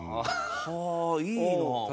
はあいいなあ。